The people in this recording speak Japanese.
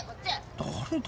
誰だ？